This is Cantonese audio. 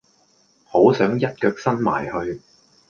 好想一腳伸埋去